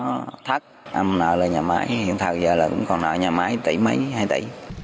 nó thất em nợ là nhà máy hiện tại giờ là cũng còn nợ nhà máy tỷ mấy hai tỷ